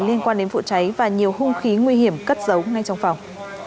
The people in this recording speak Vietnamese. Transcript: liên quan đến vụ cháy và nhiều hung khí nguy hiểm cất giấu ngay trong phòng